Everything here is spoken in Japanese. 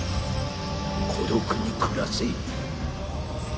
孤独に暮らせ。